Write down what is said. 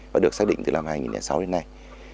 và được xác định từ năm hai nghìn sáu đến nay